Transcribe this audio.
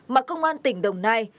mà công an tỉnh đồng nai